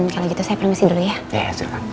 kalau gitu saya permisi dulu ya ya silakan